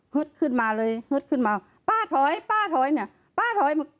ขึ้นมาเลยฮึดขึ้นมาป้าถอยป้าถอยเนี่ยป้าถอยมา